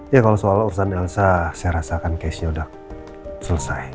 ya kalau soal urusan delsa saya rasakan case nya udah selesai